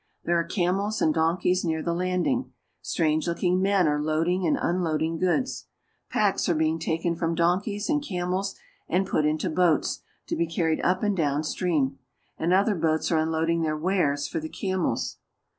There are camels and donkeys near the landing. Strange looking men are loading and unloading goods. Packs are being taken from donkeys and camels and put into boats, to be carried up and down stream ; and other boats are unloading their wares for the camels.